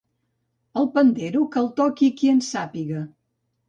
El pandero, que el toqui qui en sàpiga.